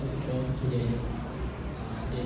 แต่อีกสองเป็นตัวโลงแทรม